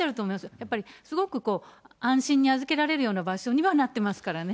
やっぱりすごく安心に預けられるような場所にはなってますからね。